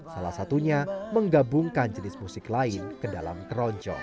salah satunya menggabungkan jenis musik lain ke dalam keroncong